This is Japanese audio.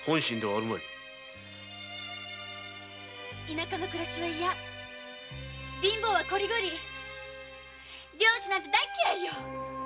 田舎の暮らしは嫌貧乏はコリゴリ漁師なんて大嫌いよ。